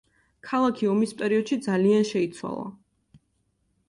ქალაქი ომის პერიოდში ძალიან შეიცვალა.